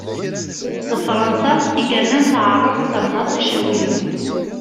D Fransa i yernan tɛerreb tamennaṭ Icawiyen.